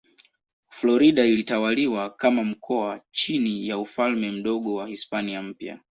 Florida ilitawaliwa kama mkoa chini ya Ufalme Mdogo wa Hispania Mpya.